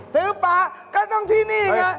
ซื้อปลาก็ต้องที่นี่เนี่ย